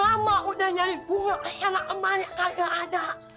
lama udah nyari bunga asal amal yang agak ada